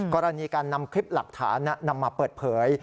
กรณีการนำคลิปหลักฐานนำมาเปิดเผย